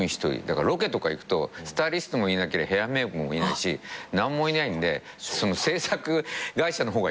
だからロケとか行くとスタイリストもいなけりゃヘアメークもいないし何もいないんで制作会社の方が喜ぶ。